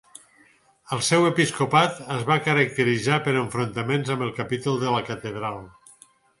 El seu episcopat es va caracteritzar per enfrontaments amb el capítol de la catedral.